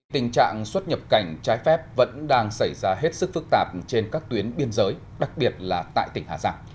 tình trạng xuất nhập cảnh trái phép vẫn đang xảy ra hết sức phức tạp trên các tuyến biên giới đặc biệt là tại tỉnh hà giang